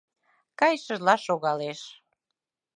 Кайышыжла шогалеш.